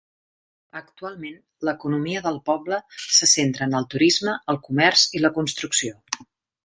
Actualment l'economia del poble se centra en el turisme, el comerç i la construcció.